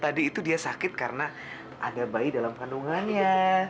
tadi itu dia sakit karena ada bayi dalam kandungannya